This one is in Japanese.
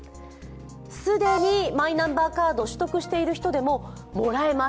既にマイナンバーカードを取得している人でももらえます。